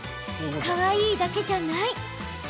かわいいだけじゃない！